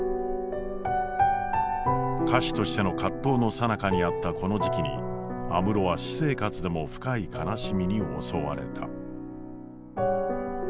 歌手としての葛藤のさなかにあったこの時期に安室は私生活でも深い悲しみに襲われた。